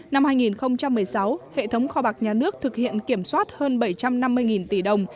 năm hai nghìn một mươi sáu hệ thống kho bạc nhà nước thực hiện kiểm soát hơn bảy trăm năm mươi tỷ đồng